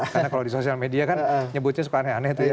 karena kalau di sosial media kan nyebutnya suka aneh aneh